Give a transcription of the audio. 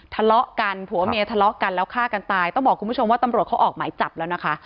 ทะเลาะกันผัวเมียทะเลาะกันแล้วฆ่ากันตายต้องบอกคุณผู้ชมว่าตำรวจเขาออกหมายจับแล้วนะคะ